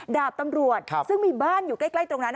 ดาบตำรวจซึ่งมีบ้านอยู่ใกล้ตรงนั้น